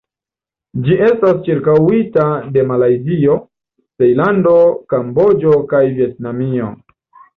Ĝi estas ĉirkaŭita de Malajzio, Tajlando, Kamboĝo kaj Vjetnamio.